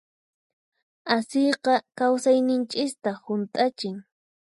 Asiyqa kawsayninchista hunt'achin.